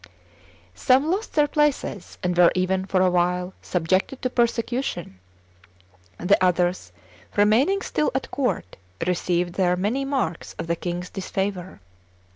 Some lost their places, and were even, for a while, subjected to persecution; the others, remaining still at court, received there many marks of the king's disfavor.